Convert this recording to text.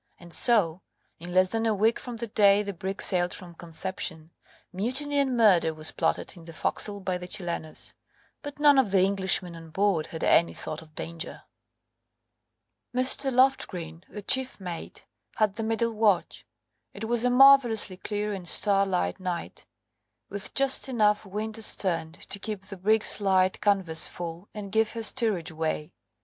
And so, in less than a week from the day the brig sailed from Conception, mutiny and murder was plotted in the foc's'cle by the Chilenos, But none of the Englishmen on board had any thought of danger. Mr. Loftgreen, the chief mate, had the middle watch. It was a marvellously clear and starlight night, with just enough wind astern to keep the brig's light canvas full and give her steerage way.